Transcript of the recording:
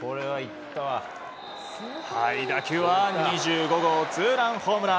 打球は２５号ツーランホームラン。